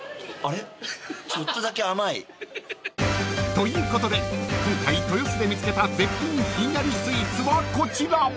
［ということで今回豊洲で見つけた絶品ひんやりスイーツはこちら］